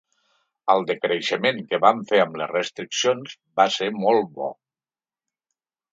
El decreixement que vam fer amb les restriccions va ser molt bo.